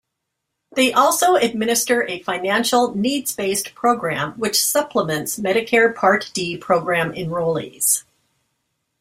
They also administer a financial needs-based program which supplements Medicare Part D program enrollees.